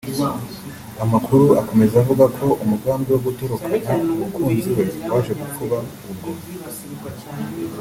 Amakuru akomeza avuga ko umugambi wo gutorokana umukunzi we waje gupfuba ubwo